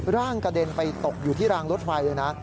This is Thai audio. ร่างกระเด็นไปตกอยู่ที่รางรถไฟเลยนะ